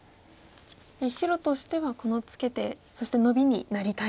白としてはこのツケてそしてノビになりたいところ。